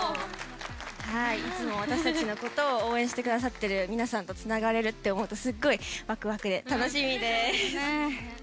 いつも私たちのことを応援してくださってる皆さんとつながれるって思うとすっごいワクワクで楽しみです。